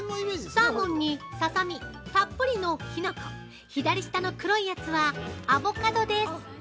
サーモンに、ささ身たっぷりのキノコ左下の黒いやつはアボカドです！